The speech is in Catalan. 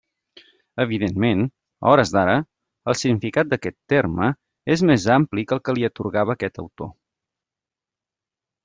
Evidentment, a hores d'ara, el significat d'aquest terme és més ampli que el que li atorgava aquest autor.